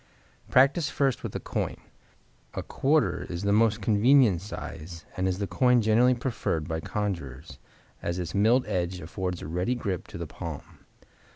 Practice first with a coin. A quarter is the most convenient size and is the coin generally preferred by conjurers, as its milled edge affords a ready grip to the palm.